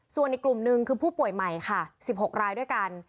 ส่วนอีกกลุ่มหนึ่งคือผู้ป่วยใหม่ค่ะ๑๖รายด้วยกัน